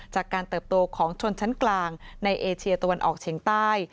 จากการเติบโตของชนชั้นกลางในเอเชียตะวันออกเฉียงใต้